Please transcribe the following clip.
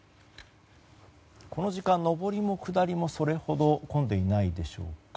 この時間、上りも下りもそれほど混んでいないでしょうか。